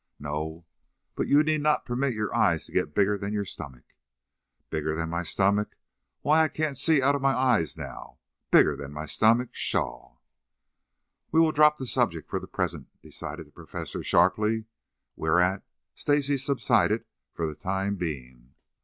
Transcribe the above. "No, but you need not permit your eyes to get bigger than your stomach." "Bigger than my stomach? Why I can't see out of my eyes now. Bigger than my stomach? Pshaw!" "We will drop the subject for the present," decided the Professor sharply, whereat Stacy subsided for the time being.